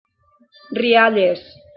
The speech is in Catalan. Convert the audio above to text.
Rialles.